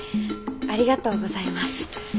ありがとうございます。